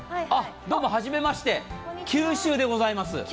どうも初めまして、九州でございます。